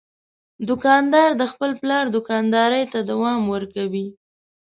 دوکاندار د خپل پلار دوکانداري ته دوام ورکوي.